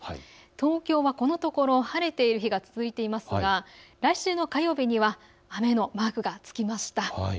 東京はこのところ晴れている日が続いていますが来週の火曜日には雨のマークがつきました。